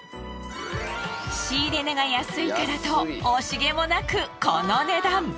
仕入れ値が安いからと惜しげもなくこの値段。